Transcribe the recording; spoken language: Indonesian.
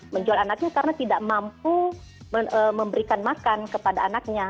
menjual anaknya karena tidak mampu memberikan makan kepada anaknya